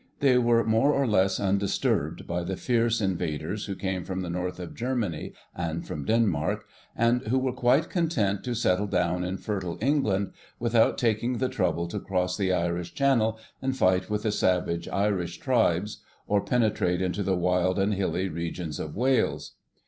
They were more or less undisturbed by the fierce invaders who came from the North of Germany and from Denmark, and who were quite content to settle down in fertile England without taking the trouble to cross the Irish Channel and fight with the savage Irish tribes, or penetrate into the wild and hilly regions of Wales.